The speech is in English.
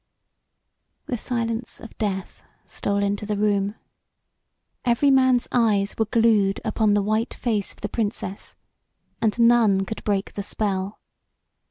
The silence of death stole into the room. Every man's eyes were glued upon the white face of the Princess and none could break the spell.